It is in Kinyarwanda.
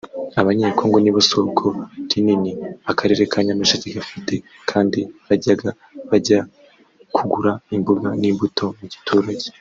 Abanyekongo nibo soko rinini akarere ka Nyamasheke gafite kandi bajyaga bajya kugura imboga n’imbuto mu giturage